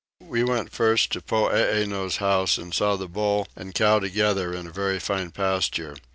We went first to Poeeno's house and saw the bull and cow together in a very fine pasture.